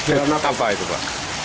alat apa itu pak